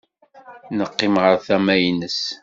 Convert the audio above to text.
Neqqim ɣer tama-nnes.